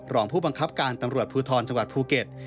รองผู้บังคับการตำรวจภูทรจังหวัดภูเก็ต